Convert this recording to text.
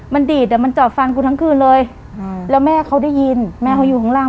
มันดีดอ่ะมันจอดฟันกูทั้งคืนเลยอืมแล้วแม่เขาได้ยินแม่เขาอยู่ข้างล่าง